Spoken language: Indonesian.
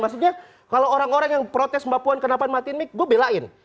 maksudnya kalau orang orang yang protes bu puan kenapa matin mik gue belain